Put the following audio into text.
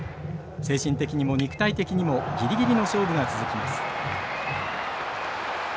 精神的にも肉体的にもギリギリの勝負が続きます。